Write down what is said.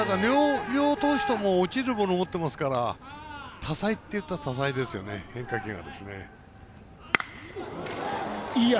両投手とも落ちるボールを持ってますから多彩っていったら多彩ですよね変化球が。